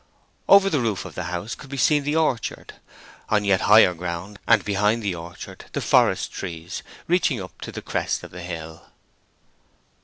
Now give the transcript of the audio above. Over the roof of the house could be seen the orchard, on yet higher ground, and behind the orchard the forest trees, reaching up to the crest of the hill.